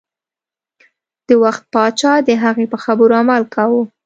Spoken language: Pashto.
د وخت پاچا د هغې په خبرو عمل کاوه.